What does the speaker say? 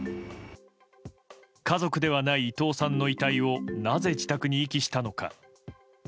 家族ではない伊藤さんの遺体をなぜ自宅に遺棄したのか。